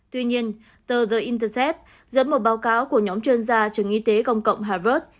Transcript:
tuy nhiên tờ the intercept dẫn một báo cáo của nhóm chuyên gia trường y tế công cộng harvard